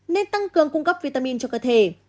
nên tăng cường cung cấp vitamin cho cơ thể